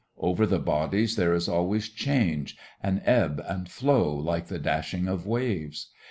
Over the bodies there is always change, an ebb and flood like the dashing of waves.